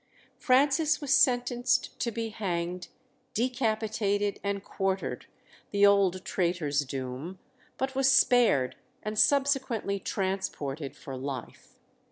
Francis was sentenced to be hanged, decapitated, and quartered, the old traitor's doom, but was spared, and subsequently transported for life.